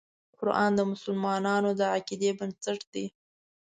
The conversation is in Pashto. قرآن د مسلمان د عقیدې بنسټ دی.